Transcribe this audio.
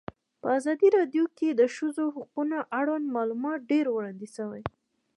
په ازادي راډیو کې د د ښځو حقونه اړوند معلومات ډېر وړاندې شوي.